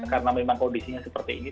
karena memang kondisinya seperti ini